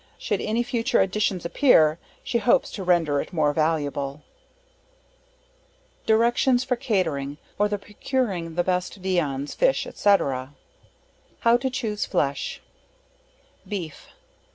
Should any future editions appear, she hopes to render it more valuable. DIRECTIONS for CATERING, or the procuring the best VIANDS, FISH, &c. How to choose Flesh. BEEF.